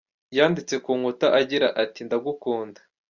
Yanditse ku nkuta agira ati ‘Ndagukunda”.